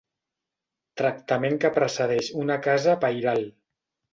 Tractament que precedeix una casa pairal.